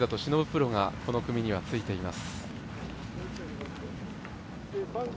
プロがこの組にはついています。